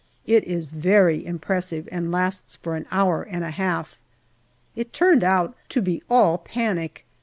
It is very impressive, and lasts for an hour and a half. It turned out to be all panic.